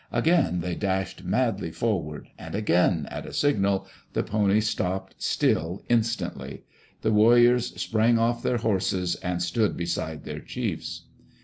Again they dashed madly forward, and again, at a signal, the ponies stopped still, instantly. The warriors sprang off their horses, and stood beside their chiefs.